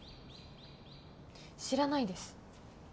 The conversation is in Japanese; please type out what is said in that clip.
知らないです。